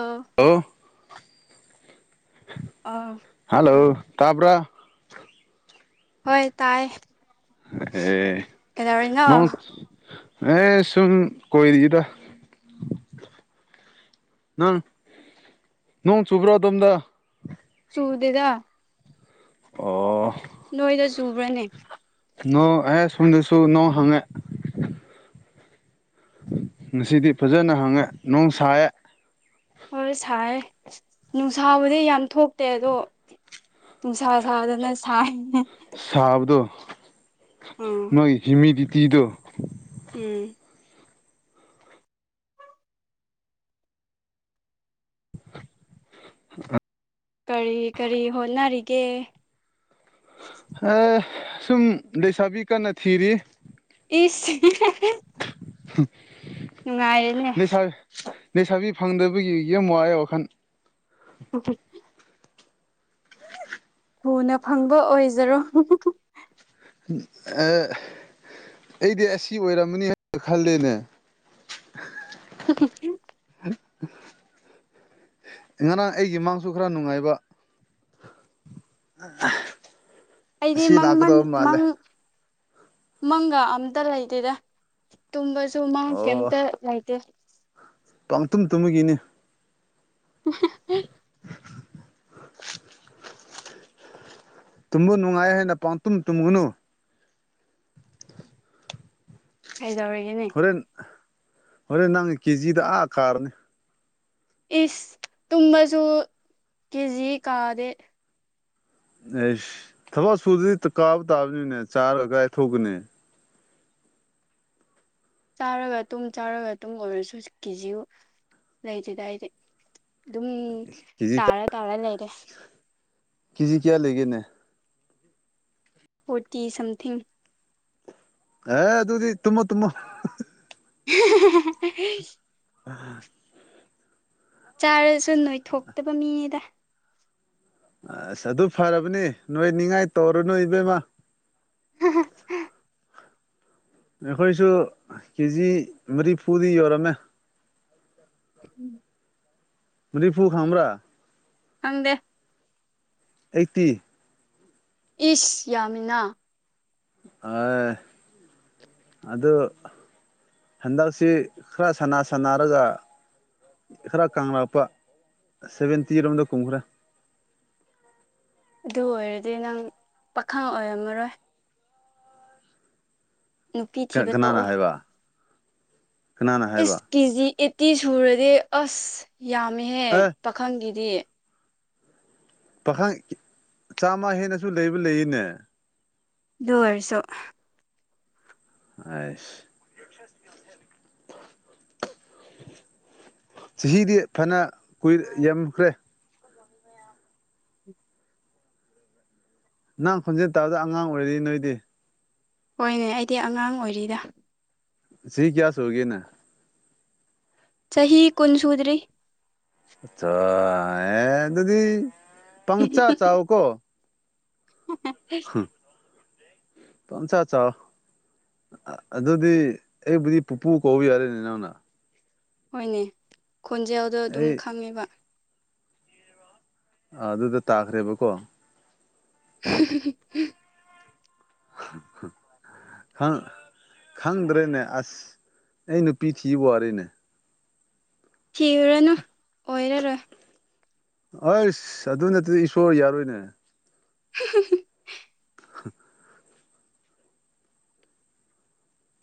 ꯑꯥ ꯑꯣ ꯑꯥ ꯍꯜꯂꯣ ꯇꯥꯕ꯭ꯔꯥ ꯍꯣꯏ ꯇꯥꯏ ꯑꯦ ꯀꯩꯗꯧꯔꯤꯅꯣ ꯅꯣꯡ ꯑꯦ ꯁꯨꯝ ꯀꯣꯏꯔꯤꯗ ꯅꯪ ꯅꯣꯡ ꯆꯨꯕ꯭ꯔꯣ ꯑꯗꯣꯝꯗ ꯆꯨꯗꯦꯗ ꯑꯣ ꯅꯣꯏꯗ ꯆꯨꯕ꯭ꯔꯅꯦ ꯅꯣ ꯑꯦ ꯁꯣꯝꯗꯁꯨ ꯅꯣ ꯍꯉꯦ ꯉꯁꯤꯗꯤ ꯐꯖꯅ ꯍꯪꯉꯦ ꯅꯣꯡ ꯁꯥꯏꯌꯦ ꯍꯣꯏ ꯁꯥꯏ ꯅꯨꯡꯁꯥꯕꯨꯗꯤ ꯌꯥꯝ ꯊꯣꯛꯇꯦ ꯑꯗꯣ ꯅꯨꯡꯁꯥ ꯁꯥꯗꯅ ꯁꯥꯏꯅꯦ ꯁꯥꯕꯗꯣ ꯎꯝ ꯅꯣꯏꯒꯤ ꯍꯤꯨꯃꯤꯗꯤꯇꯤꯗꯣ ꯎꯝ ꯑ ꯀꯔꯤ ꯀꯔꯤ ꯍꯣꯠꯅꯔꯤꯒꯦ ꯑꯦ ꯁꯨꯝ ꯂꯩꯁꯥꯕꯤ ꯀꯟꯅ ꯊꯤꯔꯤ ꯏꯁ ꯍꯦ ꯍꯦ ꯍꯦ [unintelligible] ꯂꯩꯁꯥꯕꯤ ꯐꯪꯗꯕꯒꯤ ꯌꯥꯝ ꯋꯥꯏꯌꯦ ꯋꯥꯈꯟ [unintelligible] ꯊꯨꯅ ꯐꯪꯕ ꯑꯣꯏꯖꯔꯣ ꯑꯦ ꯑꯩꯗꯤ ꯑꯁꯤ ꯑꯣꯏꯔꯝꯃꯅꯤ ꯍꯥꯏꯅ ꯈꯜꯂꯤꯅꯦ [unintelligible] [unintelligible] ꯉꯔꯥꯡ ꯑꯩꯒꯤ ꯃꯥꯡꯁꯨ ꯈꯔ ꯅꯨꯡꯉꯥꯏꯕ ꯑ ꯑꯩꯗꯤ ꯃꯃꯟ ꯃꯪ ꯃꯪꯒ ꯑꯝꯇ ꯂꯩꯇꯦꯗ ꯇꯨꯝꯕꯁꯨ ꯃꯪ ꯀꯩꯝꯇ ꯂꯩꯇꯦ ꯄꯥꯡꯇꯨꯝ ꯇꯨꯝꯃꯒꯤꯅꯤ ꯍ ꯇꯨꯝꯕꯨ ꯅꯨꯡꯉꯥꯏ ꯍꯥꯏꯅ ꯄꯥꯎꯇꯨꯝ ꯇꯨꯝꯒꯨꯅꯨ ꯀꯩꯗꯧꯔꯤꯒꯦꯅꯦ ꯍꯣꯔꯦꯟ ꯍꯣꯔꯦꯟ ꯅꯪ ꯀꯦꯖꯤꯗ ꯑꯥ ꯀꯥꯔꯅꯤ ꯏꯁ ꯇꯨꯃꯁꯨꯁꯨ ꯀꯦꯖꯤꯖꯤ ꯀꯥꯗꯦ ꯑꯦꯁ ꯊꯕꯛ ꯁꯨꯗꯗꯤ ꯀꯥꯕ ꯇꯥꯕꯅꯤꯅꯦ ꯆꯥꯔꯒ ꯀꯗꯥꯥꯏ ꯊꯣꯛꯀꯅꯤ ꯆꯥꯔꯒ ꯇꯨꯝ ꯆꯥꯔꯒ ꯇꯨꯝ ꯑꯣꯏꯔꯁꯨ ꯀꯦ ꯖꯤ ꯂꯩꯇꯦꯗꯏꯗꯤ ꯑꯗꯨꯝ ꯀꯦꯖꯤ ꯇꯥꯔ ꯇꯥꯔ ꯂꯩꯔꯦ ꯀꯖꯤ ꯀꯌꯥ ꯂꯩꯒꯦꯅꯦ ꯐꯣꯔꯇꯤ ꯁꯝꯊꯤꯡ ꯑꯦ ꯑꯗꯨꯗꯤ ꯇꯨꯝꯃ ꯇꯨꯝꯃ [unintelligible] ꯑ ꯆꯥꯔꯁꯨ ꯅꯣꯏꯊꯣꯛꯇꯕ ꯃꯤꯅꯤꯗ ꯑꯁ ꯑꯗꯨ ꯐꯔꯕꯅꯦ ꯅꯣꯏ ꯅꯤꯡꯉꯥꯏ ꯇꯧꯔꯨꯅꯨ ꯏꯕꯦꯝꯃ ꯍ ꯑꯩꯈꯣꯏꯁꯨ ꯀꯦꯖꯤ ꯃꯔꯤꯐꯨꯗꯤ ꯌꯧꯔꯝꯃꯦ ꯎꯝ ꯔꯤꯐꯨ ꯈꯥꯡ꯭ꯔꯥ ꯈꯪꯗꯦ ꯑꯦꯇꯤ ꯏꯁ ꯌꯥꯃꯤꯅꯥ ꯑ ꯑꯗꯨ ꯍꯟꯗꯛꯁꯤ ꯈꯔ ꯁꯅꯥ ꯁꯟꯅꯔꯒ ꯈꯔ ꯀꯅꯛꯄ ꯁꯚꯦꯟꯇꯤꯔꯣꯝꯗ ꯀꯨꯝꯈ꯭ꯔꯦ ꯑꯗꯨ ꯑꯣꯏꯔꯗꯤ ꯅꯪ ꯄꯥꯈꯪ ꯑꯣꯏꯔꯝꯃꯔꯣꯏ ꯅꯨꯄꯤ ꯊꯤꯕ ꯀꯅꯥꯅ ꯇꯣꯛꯑꯣ ꯍꯥꯏꯕ ꯀꯅꯥꯅ ꯏꯁ ꯍꯥꯏꯕ ꯀꯦꯖꯤ ꯑꯩꯠꯇꯤ ꯁꯨꯔꯗꯤ ꯑꯁ ꯌꯥꯝꯃꯦꯍꯦ ꯑꯦ ꯄꯥꯈꯪꯒꯤꯗꯤ ꯄꯥꯈꯪ ꯆꯥꯝꯃ ꯍꯦꯟꯅꯁꯨ ꯂꯩꯕ ꯂꯩꯌꯦꯅꯦ ꯑꯣꯏꯔꯁꯨꯣ ꯑꯁ ꯆꯍꯤꯗꯤ ꯐꯅ ꯀꯨꯏ ꯌꯥꯝꯈ꯭ꯔꯦ ꯑꯗꯨ ꯃꯌꯥꯝ ꯍꯪ ꯈꯣꯟꯖꯦꯜ ꯇꯥꯕꯗ ꯑꯉꯥꯡ ꯑꯣꯏꯔꯤ ꯅꯣꯏꯗꯤ ꯍꯣꯏꯅꯦ ꯑꯩꯗꯤ ꯑꯉꯥꯡ ꯑꯣꯏꯔꯤꯗ ꯆꯍꯤ ꯀꯌꯥ ꯁꯨꯔꯒꯦ ꯅꯪ ꯆꯍꯤ ꯀꯨꯟ ꯁꯨꯗꯔꯤ ꯑ ꯑꯦ ꯑꯗꯨꯗꯤ ꯄꯪꯆꯥ ꯆꯥꯎ ꯀꯣ ꯄ ꯆ ꯆ ꯑꯗꯨꯗꯤ ꯑꯩꯕꯨꯗꯤ ꯄꯨꯄꯨ ꯀꯧꯕ ꯌꯥꯔꯦꯅꯤ ꯅꯎꯅ ꯍꯣꯏꯅꯦ ꯈꯣꯟꯖꯦꯜꯗꯣ ꯑꯗꯨꯝ ꯑꯩ ꯈꯪꯉꯦꯕ ꯑ ꯑꯗꯨꯗ ꯇꯥꯈ꯭ꯔꯦꯕꯀꯣ [unintelligible] [inaudible] ꯍꯥ ꯈꯪꯗ꯭ꯔꯦꯅꯦ ꯑꯁ ꯑꯩ ꯅꯨꯄꯤ ꯊꯤꯋꯥꯔꯦꯅꯦ ꯊꯤꯔꯨꯔꯅꯨ ꯑꯣꯏꯔꯔꯣꯏ ꯑꯁ ꯑꯗꯨ ꯅꯠꯇꯗꯤ ꯏꯁꯣꯔ ꯌꯥꯔꯣꯏꯅꯦ [unintelligible] [unintelligible]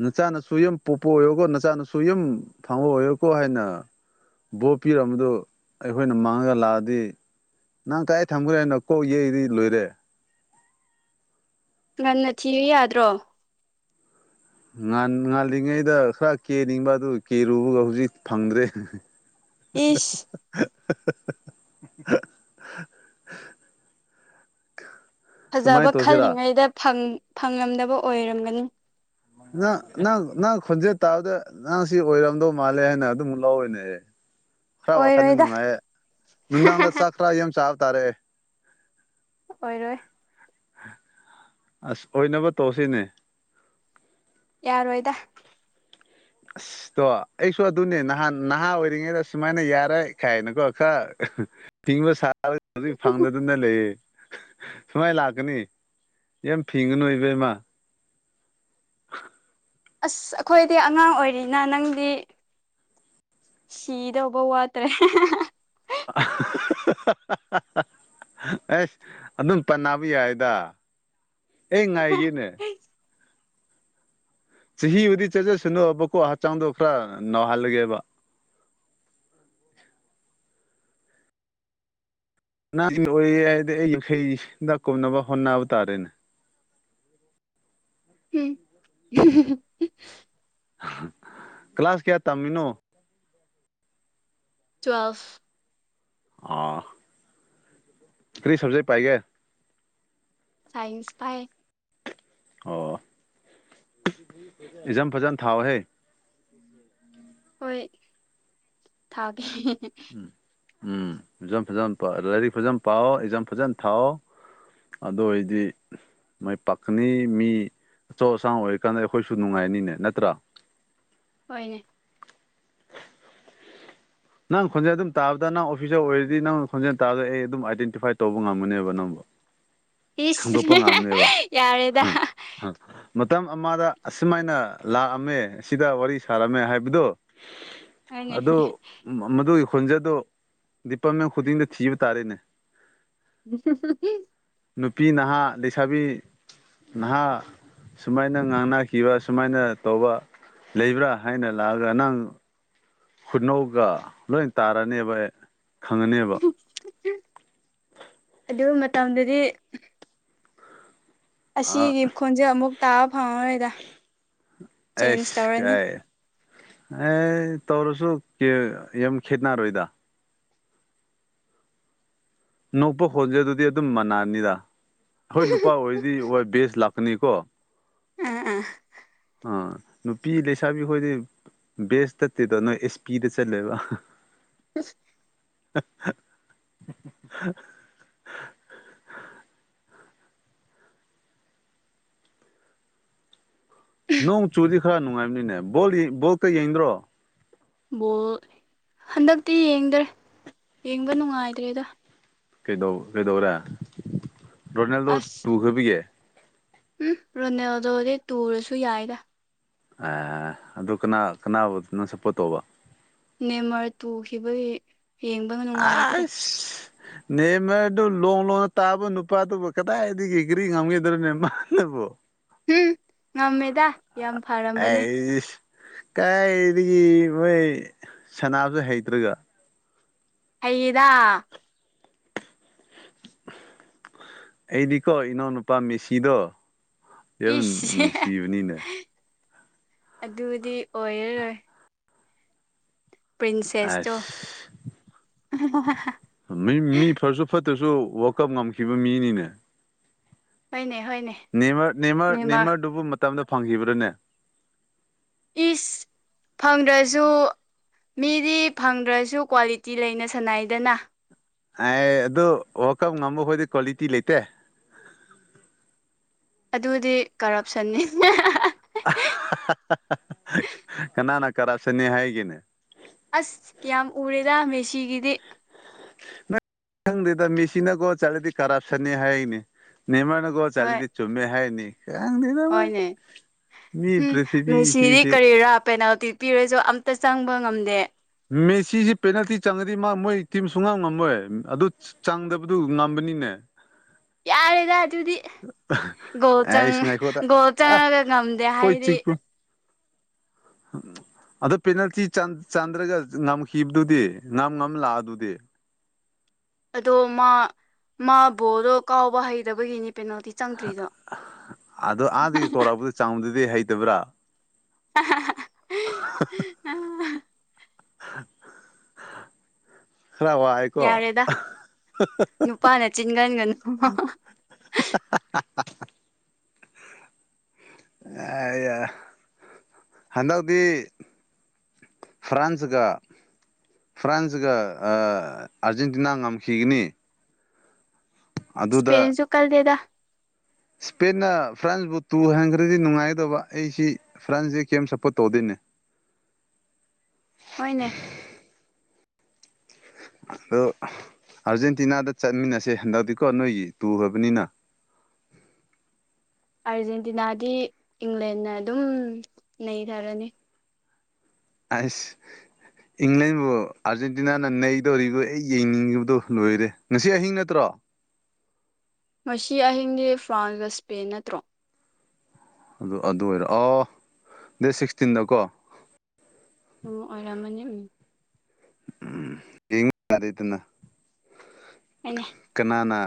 ꯅꯆꯥꯅꯁꯨ ꯌꯨꯝ ꯄꯣꯛꯄ ꯑꯣꯏꯔꯣꯀꯣ ꯅꯆꯥꯅꯁꯨ ꯌꯨꯝ ꯐꯥꯡꯕ ꯑꯣꯏꯌꯣꯀꯣ ꯍꯥꯏꯅ ꯕꯣ ꯄꯤꯔꯝꯕꯗꯨ ꯑꯩꯈꯣꯏꯅ ꯃꯥꯡꯉꯒ ꯂꯥꯛꯑꯗꯤ ꯅꯪ ꯀꯥꯏ ꯊꯝꯈ꯭ꯔꯦ ꯍꯥꯏꯅꯣ ꯀꯣꯛ ꯌꯩꯔꯗꯤ ꯂꯣꯏꯔꯦ ꯉꯟꯅ ꯊꯤꯌꯨ ꯌꯥꯗ꯭ꯔꯣ ꯉꯥꯟ ꯉꯥꯜꯂꯤꯉꯩꯗ ꯈꯔ ꯀꯦꯅꯤꯡꯕ ꯑꯗꯨ ꯀꯦꯔꯨꯕꯒ ꯍꯧꯖꯤꯛ ꯐꯪꯗ꯭ꯔꯦ ꯏꯁ [inaudible] ꯀꯃꯥꯏꯅ ꯐꯖꯕ ꯇꯧꯁꯤꯔꯥ ꯈꯜꯂꯤꯉꯩꯗ ꯐꯪ ꯐꯪꯉꯝꯗꯕ ꯑꯣꯏꯔꯝꯒꯅꯤ ꯅ ꯅꯪ ꯅꯪ ꯈꯣꯟꯖꯦꯟ ꯇꯥꯕꯗ ꯅꯪ ꯁꯤ ꯑꯣꯏꯔꯝꯗꯧ ꯃꯥꯜꯂꯦ ꯍꯥꯏꯅ ꯑꯗꯨꯝ ꯂꯧꯋꯦꯅꯦꯍꯦ ꯈꯔ ꯋꯥꯈꯥꯟꯗꯤ ꯑꯣꯏꯔꯣꯏꯗ ꯅꯨꯡꯉꯥꯏꯌꯦ ꯅꯨꯡꯗꯥꯡꯗ ꯆꯥꯛ ꯇꯔꯥ ꯌꯥꯝ ꯆꯥꯕ ꯇꯥꯔꯦ ꯑꯣꯏꯔꯣꯏ ꯑꯁ ꯑꯣꯏꯅꯕ ꯇꯧꯁꯤꯅꯦ ꯌꯥꯔꯣꯏꯗ ꯑꯁ ꯇꯣ ꯑꯩꯁꯨ ꯑꯗꯨꯅꯦ ꯅꯍꯥꯟ ꯅꯍꯥ ꯑꯣꯏꯔꯤꯉꯩꯗ ꯁꯨꯃꯥꯏꯅ ꯌꯥꯔꯣꯏ ꯀꯥꯏꯅꯒ ꯀꯣ ꯈꯔ ꯐꯤꯡꯕ ꯁꯥꯔ ꯑꯗꯨꯏ ꯐꯪꯗꯗꯅ ꯂꯩꯌꯦ ꯁꯨꯃꯥꯏ ꯂꯥꯛꯀꯅꯤ ꯌꯥꯝ ꯐꯤꯡꯒꯅꯨ ꯏꯕꯦꯝꯃꯥ ꯑꯁ ꯑꯩꯈꯣꯏꯗꯤ ꯑꯉꯥꯡ ꯑꯣꯏꯔꯤꯅ ꯅꯪꯗꯤ ꯁꯤꯗꯧꯕ ꯋꯥꯠꯇ꯭ꯔꯦ ꯑ ꯑꯦꯁ ꯑꯗꯨꯝ ꯄꯟꯅꯕ ꯌꯥꯏꯗ ꯑꯩ ꯉꯥꯏꯒꯦꯅꯦ ꯆꯍꯤꯕꯨꯗꯤ ꯆꯠꯖꯁꯅꯨꯕꯀꯣ ꯍꯛꯆꯥꯡꯗꯣ ꯈꯔ ꯅꯧꯍꯜꯂꯒꯦꯕ ꯅ [unintelligible] ꯍꯥꯏꯗꯤ ꯑꯩꯒꯤꯈꯩ ꯀꯨꯝꯅꯅꯕ ꯍꯣꯟꯅꯕ ꯇꯥꯔꯦꯅꯦ [unintelligible] ꯀ꯭ꯂꯥꯁ ꯀꯌꯥ ꯇꯝꯃꯤꯅꯣ ꯇ꯭ꯋꯦꯜꯐ ꯑꯥ ꯀꯔꯤ ꯁꯕꯖꯩ ꯄꯥꯏꯒꯦ ꯁꯥꯏꯟꯁ ꯄꯥꯏ ꯑꯣ ꯑꯦꯛꯖꯥꯝ ꯐꯖꯅ ꯊꯥꯎꯍꯦ! ꯍꯣꯏ ꯊꯥꯒꯦ ꯎꯝ ꯐꯖꯅ- ꯐꯖꯅ ꯄꯥ ꯂꯥꯏꯔꯤꯛ ꯐꯖꯅ ꯄꯥꯎ ꯑꯦꯛꯖꯝ ꯐꯖꯅ ꯊꯥꯎ꯫ ꯑꯗꯨ ꯑꯣꯏꯗꯤ ꯃꯥꯏ ꯄꯥꯛꯀꯅꯤ ꯃꯤ ꯑꯆꯧ- ꯑꯁꯥꯡ ꯑꯣꯏꯔꯤꯀꯥꯟꯗ ꯑꯩꯈꯣꯏꯁꯨ ꯅꯨꯡꯉꯥꯏꯅꯤꯅꯦ ꯅꯠꯇ꯭ꯔꯥ? ꯍꯣꯏꯅꯦ ꯅꯪ ꯈꯣꯟꯖꯦꯜ ꯑꯗꯨꯝ ꯇꯥꯕꯗ ꯅꯪ ꯑꯣꯐꯤꯁꯥꯔ ꯑꯣꯏꯔꯗꯤ ꯅꯪ ꯈꯣꯟꯖꯦꯜ ꯇꯥꯕꯗ ꯑꯩ ꯑꯗꯨꯝ ꯑꯥꯏꯗꯦꯟꯇꯤꯐꯥꯏ ꯇꯧꯕ ꯉꯝꯃꯅꯦꯕ ꯅꯪꯕꯨ꯫ ꯏꯁ ꯈꯥꯡꯗꯣꯛꯄ ꯉꯝꯅꯦꯕ ꯌꯥꯔꯦꯗ ꯍꯥ ꯃꯇꯝ ꯑꯃꯗ ꯑꯁꯨꯃꯥꯏꯅ ꯂꯥꯛꯑꯝꯃꯦ ꯑꯁꯤꯗ ꯋꯥꯔꯤ ꯁꯥꯔꯝꯃꯦ ꯍꯥꯏꯕꯗꯨ [inaudible] ꯑꯗꯨ ꯃꯗꯨꯒꯤ ꯈꯣꯟꯖꯗꯣ ꯗꯤꯄꯥꯛꯅ ꯈꯨꯗꯤꯡꯗ ꯊꯤꯕ ꯇꯥꯔꯦꯅꯦ [unintelligible] ꯅꯨꯄꯤ ꯅꯍꯥ ꯂꯩꯁꯥꯕꯤ ꯅꯍꯥ ꯁꯨꯃꯥꯏꯅ ꯉꯥꯡꯅꯈꯤꯕ ꯁꯨꯃꯥꯏꯅ ꯇꯧꯕ ꯂꯩꯕ꯭ꯔꯥ ꯍꯥꯏꯅ ꯂꯥꯛꯑꯒ ꯅꯪ ꯈꯨꯠꯅꯧꯒ ꯂꯣꯏ ꯇꯥꯔꯅꯦꯕ ꯈꯪꯉꯅꯦ [inaudible] ꯌꯨꯝ ꯃꯇꯝꯗꯗꯤ ꯑꯁꯤꯒꯤ ꯈꯣꯟꯖꯦꯜ ꯑꯃꯨꯛ ꯇꯥꯕ ꯐꯪꯉꯔꯣꯏꯗ ꯆꯦꯟꯖ ꯑꯩꯁ ꯇꯧꯔꯅꯤ ꯀꯥꯏ ꯑꯦ ꯇꯧꯔꯁꯨ ꯌꯥꯝ ꯈꯦꯠꯅꯔꯣꯏꯗ ꯅꯣꯛꯄ ꯈꯣꯟꯖꯦꯜꯗꯨꯗꯤ ꯑꯗꯨꯝ ꯃꯅꯥꯅꯤꯗ ꯍꯣꯏ ꯅꯨꯄꯥ ꯑꯣꯏꯔꯗꯤ ꯍꯣꯏ ꯕꯦꯁ ꯂꯥꯛꯀꯅꯤꯀꯣ꯫ ꯑꯥ ꯑꯥ ꯑꯥ ꯅꯨꯄꯤ ꯂꯩꯁꯥꯕꯤꯈꯣꯏꯗꯤ ꯕꯦꯁ ꯅꯠꯇꯦꯗꯣ ꯅꯣꯏ ꯑꯦꯁ ꯄꯤꯗ ꯆꯠꯂꯦꯕ꯫ [unintelligible] [unintelligible] ꯅꯣꯡ ꯆꯨꯗꯤ ꯈꯔ ꯅꯨꯡꯉꯥꯏꯕꯅꯤꯅꯦ ꯕꯣꯜ ꯌꯦꯡ ꯕꯣꯜꯀ ꯌꯦꯡꯗ꯭ꯔꯣ? ꯕꯣꯜ ꯍꯟꯗꯛꯇꯤ ꯌꯦꯡꯗ꯭ꯔꯦ ꯌꯦꯡꯕ ꯅꯨꯡꯉꯥꯏꯇ꯭ꯔꯦꯗ꯫ ꯀꯩꯗꯧ ꯀꯩꯗꯧꯔꯦ ꯔꯣꯅꯥꯜꯗꯣ ꯑꯁ ꯇꯨꯈꯕꯒꯤ? ꯎꯝ ꯔꯣꯅꯦꯜꯗꯗꯤ ꯇꯨꯔꯁꯨ ꯌꯥꯏꯗ꯫ ꯑꯦ ꯑꯗꯨ ꯀꯅꯥ ꯀꯅꯥꯅꯣ ꯁꯞꯄꯣꯔꯠ ꯇꯧꯕ ꯅꯦꯃꯔ ꯇꯨꯈꯤꯕꯒꯤ ꯌꯦꯡꯕ ꯉ ꯑꯁ ꯅꯦꯃꯔꯗꯨ ꯂꯣꯡ ꯂꯣꯡꯅ ꯇꯥꯕ ꯅꯨꯄꯥꯗꯨꯕꯨ ꯀꯗꯥꯏꯗꯒꯤ ꯀ꯭ꯔꯤ ꯉꯝꯈꯤꯗ꯭ꯔꯣꯅꯦ ꯃꯥ ꯅꯕꯣ ꯍꯨꯝ ꯉꯝꯃꯦꯗ ꯌꯥꯝ ꯐꯔꯝꯕꯅꯦ ꯑꯩꯖ ꯀꯥꯏꯗꯒꯤ ꯃꯣꯏ ꯁꯅꯥꯕꯁꯨ ꯍꯩꯇ꯭ꯔꯒ ꯍꯩꯌꯦꯗꯥ ꯑꯩꯗꯤꯀꯣ ꯏꯅꯥꯎꯅꯨꯄꯥ ꯃꯦꯁꯤꯗꯣ ꯌꯥꯝ ꯏꯁ ꯅꯨꯡꯁꯤꯕꯅꯤꯅꯦ ꯑꯗꯨꯗꯤ ꯑꯣꯏꯔꯔꯣꯏ ꯄ꯭ꯔꯤꯟꯁꯦꯁꯇꯣ ꯑꯁ ꯃꯤ ꯐꯔꯁꯨ ꯐꯠꯇ꯭ꯔꯁꯨ ꯋꯥꯜꯀꯞ ꯉꯝꯈꯤꯕ ꯃꯤꯅꯤꯅꯦ꯫ ꯍꯣꯏꯅꯦ ꯍꯣꯏꯅꯦ ꯅꯦꯃꯔ ꯅꯦꯃꯔ ꯅꯦꯃꯔꯗꯨꯕꯨ ꯃꯇꯝꯗ ꯐꯪꯈꯤꯕ꯭ꯔꯥꯅꯦ? ꯏꯁ! ꯐꯪꯗ꯭ꯔꯁꯨ ꯃꯤꯗꯤ ꯐꯪꯗ꯭ꯔꯁꯨ ꯀ꯭ꯋꯥꯂꯤꯇꯤ ꯂꯩꯅ ꯁꯅꯩꯗꯅ꯫ ꯑꯦ ꯑꯗꯨ ꯋꯥꯜꯀꯞ ꯉꯝꯕꯈꯣꯏꯗꯤ ꯀ꯭ꯋꯥꯂꯤꯇꯤ ꯂꯩꯇꯦ ꯑꯗꯨꯗꯤ ꯀꯔꯞꯁꯟꯅꯤ ꯀꯅꯥꯅ ꯀꯔꯞꯁꯟꯅꯤ ꯍꯥꯏꯒꯦꯅꯦ? ꯑꯁ! ꯌꯥꯝ ꯎꯔꯦꯗ ꯃꯦꯁꯤꯒꯤꯗꯤ꯫ ꯅꯪ ꯈꯪꯗꯦꯗ ꯃꯤꯁꯤꯅꯀꯣ ꯆꯠꯂꯗꯤ ꯀꯔꯞꯁꯟꯅꯦ ꯍꯥꯏꯅꯦ ꯅꯦꯃꯥꯅ ꯍꯣꯏ ꯆꯗꯤ ꯆꯨꯝꯃꯦ ꯍꯥꯏꯅꯤ [unintelligible] ꯅꯣꯏ ꯍꯣꯏꯅꯦ ꯎꯝ ꯃꯦꯁꯤꯗꯤ ꯀꯔꯤꯔꯥ ꯄꯦꯅꯥꯜꯇꯤ ꯄꯤꯔꯁꯨ ꯑꯝꯇ ꯆꯪꯕ ꯉꯝꯗꯦ ꯃꯦꯁꯤꯁꯤ ꯄꯦꯅꯥꯜꯇꯤ ꯆꯪꯉꯗꯤ ꯃꯥ ꯃꯣꯏ ꯇꯤꯝ ꯁꯨꯡꯉꯝ ꯉꯝꯃꯣꯏ ꯑꯗꯨ ꯆꯪꯗꯕꯗꯨ ꯉꯝꯕꯅꯤꯅꯦ ꯌꯥꯔꯦꯗ ꯑꯗꯨꯗꯤ ꯒꯣꯜ ꯑꯩꯁ ꯉꯥꯏꯈꯣꯗ ꯒꯣꯜ ꯑ ꯆꯪꯉꯒ ꯉꯝꯗꯦ ꯍꯣꯏ ꯍꯥꯏꯗꯤ ꯆꯤꯛꯄꯨ ꯑꯗꯣ ꯄꯦꯅꯥꯜꯇꯤ ꯆꯥꯟꯗ꯭ꯔꯒ ꯉꯝꯈꯤꯕꯗꯨꯗꯤ ꯉꯝ ꯉꯝ ꯂꯥꯛꯑ ꯑꯗꯨꯗꯤ ꯑꯗꯣ ꯃꯥ ꯃꯥ ꯕꯣꯗꯣ ꯀꯥꯎꯕ ꯍꯩꯇꯕꯒꯤꯅꯤ ꯄꯦꯅꯥꯜꯇꯤ ꯆꯪꯗ꯭ꯔꯤꯗꯣ ꯆꯥꯡꯗꯗꯤ ꯍꯩꯇꯕ꯭ꯔꯥ? [unintelligible] ꯈꯔ ꯋꯥꯏ ꯌꯥꯔꯦꯗ ꯅꯨꯄꯥꯅ ꯆꯤꯟꯀꯟꯒꯅꯨ ꯍꯟꯗꯛꯗꯤ ꯐ꯭ꯔꯥꯟꯁꯒ ꯐ꯭ꯔꯥꯟꯁꯒ ꯑ ꯑꯥꯔꯖꯦꯟꯇꯤꯅꯥ ꯉꯝꯈꯤꯒꯅꯤ꯫ ꯄꯦꯟꯁꯨꯨ ꯀꯜꯂꯦꯗ ꯁꯄꯦꯟꯅ ꯐ꯭ꯔꯥꯟꯁꯕꯨꯨ ꯇꯨ ꯍꯟꯈ꯭ꯔꯗꯤ ꯅꯨꯡꯉꯥꯏꯒꯗꯕ ꯑꯩꯁꯤ ꯐ꯭ꯔꯥꯟꯁꯁꯤ ꯀꯦꯝ ꯁꯞꯄꯣꯔꯠ ꯇꯧꯗꯦꯅꯦ꯫ ꯍꯣꯢꯅꯦ ꯑꯗꯣ ꯑꯥꯔꯖꯦꯟꯇꯤꯅꯥꯗ ꯆꯠꯃꯤꯟꯅꯁꯦ ꯍꯟꯗꯛꯇꯤꯀꯣ ꯅꯣꯏꯒꯤ ꯇꯨꯈ꯭ꯔꯕꯅꯤꯅ ꯑꯥꯔꯖꯦꯟꯇꯤꯅꯥꯗꯤ ꯏꯪꯂꯦꯟꯅ ꯑꯗꯨꯝ ꯅꯩꯊꯔꯅꯤ ꯑꯁ ꯏꯪꯂꯦꯟꯕꯨ ꯑꯥꯔꯖꯦꯟꯇꯤꯅꯥꯅ ꯅꯩꯗꯧꯔꯤꯔꯤꯕ ꯑꯦ ꯌꯦꯡꯅꯤꯡꯕꯗꯨꯣ ꯂꯣꯏꯔꯦ ꯉꯁꯤ ꯑꯍꯤꯡ ꯅꯠꯇ꯭ꯔꯣ ꯃꯁꯤ ꯑꯍꯤꯡꯗꯤ ꯐ꯭ꯔꯥꯟꯁꯀ ꯁ꯭ꯄꯦꯟ ꯅꯠꯇ꯭ꯔꯣ ꯑꯗꯨ ꯑꯗꯨ ꯑꯣꯏꯔꯣꯑꯣ ꯗꯦꯠ ꯁꯤꯛꯁꯇꯤꯟꯗꯀꯣ ꯎꯝ ꯑꯣꯏꯔꯝꯃꯅꯤ ꯎꯝ ꯎꯝ ꯌꯦ ꯑꯔꯤꯅ ꯑꯩꯅꯦ ꯀꯅꯥꯅ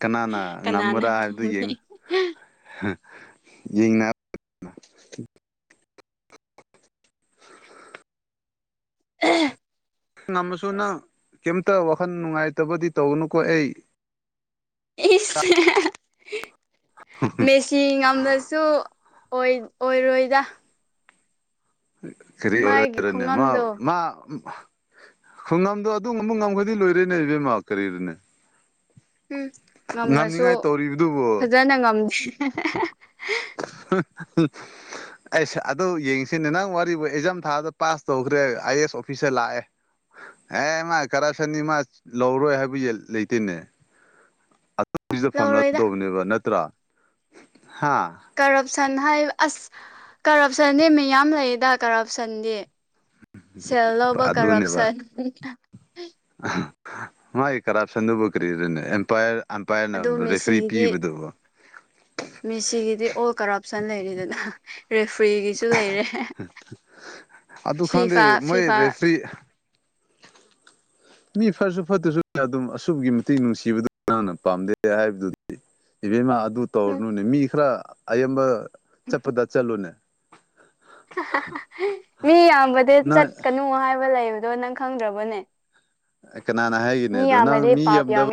ꯀꯅꯥꯅ ꯀꯅꯥꯅ ꯉꯝꯕ꯭ꯔꯥ ꯍꯥꯏꯕꯗꯨ ꯉꯝꯅꯤ ꯌꯦꯡꯉ ꯌꯦꯡꯅ [inaudible] ꯑꯍ ꯉꯃꯁꯨꯅ ꯀꯩꯝꯇ ꯋꯥꯈꯜ ꯅꯨꯡꯉꯥꯏꯇꯕꯗꯤ ꯇꯧꯅꯨꯀꯣ ꯑꯩ ꯏꯁ ꯃꯦꯁ ꯁꯤ ꯉꯝꯕꯁꯨ ꯑꯣꯏꯔꯣꯏꯗ ꯀꯔꯤ ꯃꯥꯒꯤ ꯑꯣꯢꯔꯣꯢ ꯃꯥ ꯈꯨꯉꯝꯗꯣ ꯃꯥ ꯈꯨꯡꯒꯪꯗꯣ ꯑꯗꯨꯒ ꯑꯃꯕ ꯉꯝꯈꯗꯤ ꯂꯣꯏꯔꯦꯅꯦ ꯏꯕꯦꯝꯃ ꯀꯔꯤꯅꯅꯦ ꯎꯝ ꯉꯝꯃꯁꯨ ꯉꯝꯅꯤꯉꯥꯏ ꯇꯧꯔꯤꯕꯗꯨꯕꯨ ꯐꯖꯅ ꯉꯝꯗꯦ ꯍ ꯍ ꯑꯩꯁ ꯑꯗꯨ ꯌꯦꯡꯁꯤꯅꯦ ꯅꯪ ꯋꯥꯔꯤꯕꯨ ꯑꯦꯛꯖꯥꯝ ꯊꯥꯗ ꯄꯥꯁ ꯇꯧꯈ꯭ꯔꯦ ꯑꯥꯏ ꯑꯦ ꯑꯦꯁ ꯑꯣꯐꯤꯁꯔ ꯂꯥꯛꯑꯦ ꯑꯦ ꯃꯥ ꯀꯔꯞꯁꯟꯅꯤ ꯃꯥ ꯂꯧꯔꯣꯏ ꯍꯥꯏꯕ ꯂꯩꯇꯦꯅꯦ ꯗ ꯐꯝꯅ ꯂꯧꯔꯣꯏꯗ ꯇꯧꯕꯅꯦꯕ ꯅꯠꯇ꯭ꯔꯣ ꯍꯥ ꯀꯔꯞꯁꯟ ꯍꯥꯏ ꯑꯁ ꯀꯔꯞꯁꯟꯗꯤ ꯃꯤꯌꯥꯝ ꯂꯩꯗ ꯀꯔꯞꯁꯟꯗꯤ ꯁꯦꯜ ꯂꯧꯕ ꯀꯔꯞꯁꯟ ꯍ ꯀꯔꯞꯁꯟꯗꯨꯕꯨ ꯀꯔꯤꯔꯅꯦ ꯑꯦꯝꯄꯥꯌꯔ ꯑꯗꯨ ꯑꯝꯄꯥꯌꯔꯅ ꯔꯦꯐꯔꯤ ꯄꯤꯕꯗꯨꯕꯨ ꯃꯤꯁꯤꯒꯤꯗꯤ ꯑꯣꯜ ꯀꯔꯞꯁꯟ ꯂꯩꯔꯤꯗꯅ ꯔꯦꯐ꯭ꯔꯤꯒꯤꯁꯨ ꯂꯩꯔꯦ ꯑꯗꯨ ꯐꯤꯐꯥ ꯈꯪꯗꯦ ꯃꯣꯏ ꯐꯤꯐꯥ ꯔꯦꯐ꯭ꯔꯤ ꯃꯤ ꯐꯁꯨ ꯐꯠꯇ꯭ꯔꯁꯨ ꯑꯗꯨꯝ ꯑꯁꯨꯛꯀꯤ ꯃꯇꯤꯛ ꯅꯨꯡꯁꯤꯕꯗꯨꯅ ꯄꯥꯝꯗꯦ ꯍꯥꯏꯕꯗꯨꯗꯤ ꯏꯕꯦꯝꯃ ꯑꯗꯨ ꯇꯧꯔꯅꯨꯅꯦ ꯃꯤ ꯈꯔ ꯑꯌꯥꯝꯕ ꯆꯠꯄꯗ ꯆꯠꯂꯨꯅꯦ ꯃꯤ ꯌꯥꯝꯕꯗꯤ ꯅꯪ ꯆꯠꯀꯅꯨ ꯍꯥꯏꯕ ꯂꯩꯕꯗꯣ ꯅꯪ ꯈꯪꯗ꯭ꯔꯕꯅꯦ ꯀꯅꯥꯅ ꯍꯥꯏꯒꯅꯦ ꯃꯤ ꯑꯗꯣ ꯅꯪ ꯌꯥꯝꯃꯗꯤ ꯃꯤ ꯄꯥꯞ ꯌꯥꯝꯃꯦ ꯌꯥꯝꯗꯧ